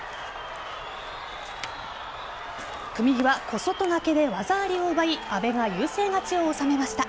組み際、小外掛で技ありを奪い阿部が優勢勝ちを収めました。